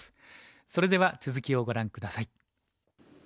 それでは続きをご覧下さい。